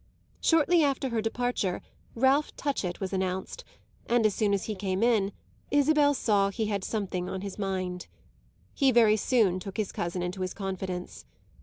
Shortly after her departure Ralph Touchett was announced, and as soon as he came in Isabel saw he had something on his mind. He very soon took his cousin into his confidence.